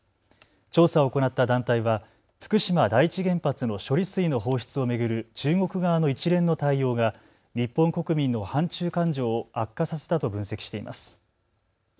調査を行った団体は福島第一原発の処理水の放出を巡る中国側の一連の対応が日本国民の反中感情を悪化させたと分析しています。